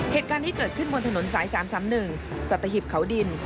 เหตุการณ์ที่เกิดขึ้นบนถนนสาย๓๓๑สัตหิบเขาดิน